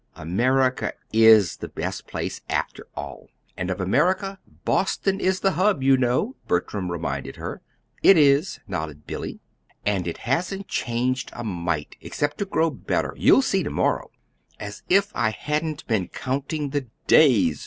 America IS the best place, after all!" "And of America, Boston is the Hub, you know," Bertram reminded her. "It is," nodded Billy. "And it hasn't changed a mite, except to grow better. You'll see to morrow." "As if I hadn't been counting the days!"